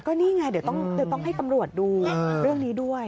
นี่ไงเดี๋ยวต้องให้ตำรวจดูเรื่องนี้ด้วย